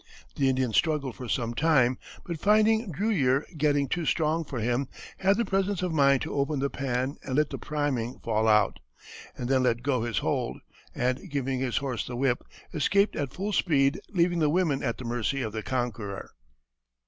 The Indian struggled for some time, but finding Drewyer getting too strong for him, had the presence of mind to open the pan and let the priming fall out; he then let go his hold, and giving his horse the whip, escaped at full speed, leaving the women at the mercy of the conqueror.